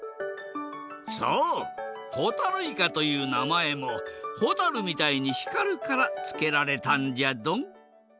そうほたるいかというなまえもほたるみたいに光るからつけられたんじゃドン。